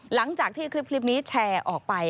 หลังจากที่คลิปนี้แชร์ออกไป